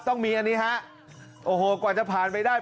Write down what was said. ต้องมีอันนี้ฮะโอ้โหกว่าจะผ่านไปได้